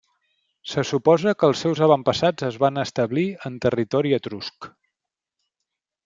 Se suposa que els seus avantpassats es van establir en territori etrusc.